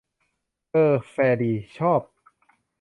เอ้อ แฟร์ดี ชอบ